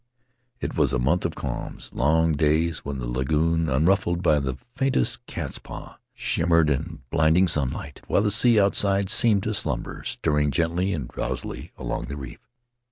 It was a month of calms: long days when the lagoon, unruffled by the faintest cat's paw, shimmered in the blinding sunlight, while the sea outside seemed to slumber, stirring gently and drowsily along the reef.